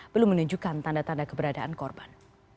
belum menunjukkan tanda tanda keberadaan korban